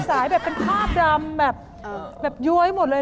แบบเป็นภาพดำแบบย้วยหมดเลย